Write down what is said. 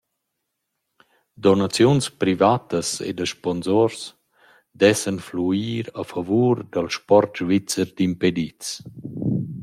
Donaziuns privatas e da sponsuors dessan fluir a favur dal sport svizzer d’impedits.